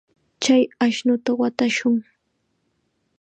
Chay ashnuta watashun.